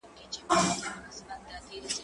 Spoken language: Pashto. زه پرون سیر کوم!.